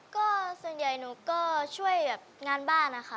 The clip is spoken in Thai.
ก็ส่วนใหญ่หนูก็ช่วยแบบงานบ้านนะคะ